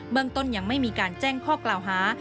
เมืองต้นยังไม่มีการแจ้งข้อกล่าวหา